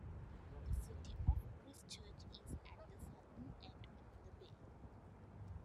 The city of Christchurch is at the southern end of the bay.